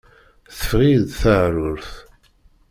Teffeɣ-iyi-d teεrurt.